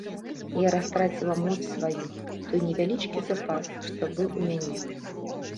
Я растраціла моц сваю, той невялічкі запас, што быў у мяне.